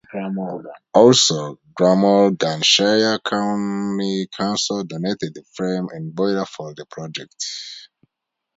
Also Glamorganshire County Council donated the frames and boiler for the project.